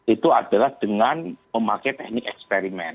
itu adalah dengan memakai teknik eksperimen